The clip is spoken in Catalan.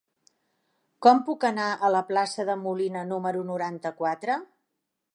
Com puc anar a la plaça de Molina número noranta-quatre?